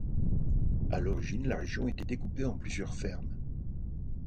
À l'origine, la région était découpée en plusieurs fermes.